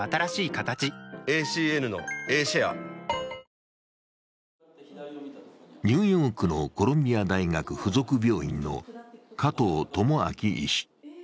そしてニューヨークのコロンビア大学附属病院の加藤友朗医師。